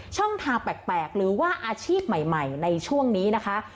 ช่องทางแปลกหรือว่าอาชีพใหม่ในช่วงนี้นะคะ